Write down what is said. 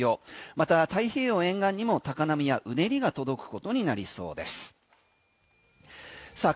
また太平洋沿岸にも高波やうねりが届くことになりそうです。